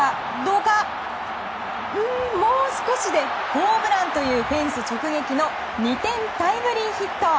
うーん、もう少しでホームランというフェンス直撃の２点タイムリーヒット。